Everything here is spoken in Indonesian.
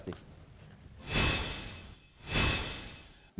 masih panjang masih setahun lagi terima kasih